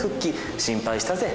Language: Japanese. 心配したぜ。